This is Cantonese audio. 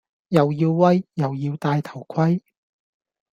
又要威，又要帶頭盔